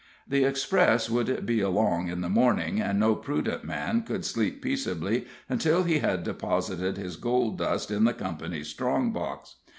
The express would be along in the morning, and no prudent man could sleep peaceably until he had deposited his gold dust in the company's strong box.